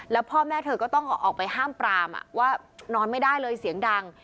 แล้วพ่อแม่เธอก็ต้องออกไปห้ามปรามว่านอนไม่ได้เลยเสียงดัง